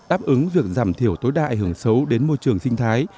đáp ứng việc giảm thiểu tối đại hưởng xấu đến môi trường sinh thái